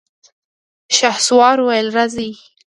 شهسوار وويل: راځئ!